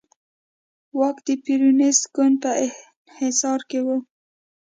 واک د پېرونېست ګوند په انحصار کې و.